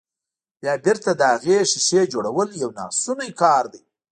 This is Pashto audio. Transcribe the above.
بيا بېرته د هغې ښيښې جوړول يو ناشونی کار دی.